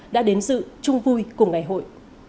đã đến dự chung vui cùng ngày hội